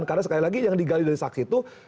karena sekali lagi yang digali dari saksi itu